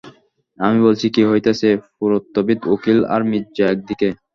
আমি বলছি কি হইতাছে, পুরাতত্ত্ববিদ, উকিল আর, মির্জা এক দিকে।